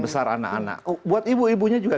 besar anak anak buat ibu ibunya juga